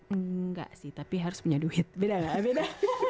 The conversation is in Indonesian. eee enggak sih tapi harus punya duit beda gak beda